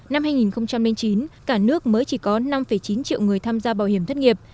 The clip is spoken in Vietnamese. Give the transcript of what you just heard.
năm hai nghìn chín cả nước mới chỉ có năm chín triệu người tham gia bảo hiểm thất nghiệp